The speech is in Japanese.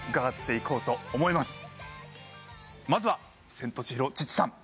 まずはセントチヒロ・チッチさん。